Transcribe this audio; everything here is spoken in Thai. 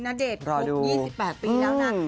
ณเดชน์ครบ๒๘ปีแล้วนะ